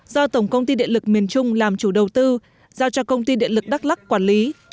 do tổng công ty điện lực miền trung làm chủ đầu tư giao cho công ty điện lực đắk lắc quản lý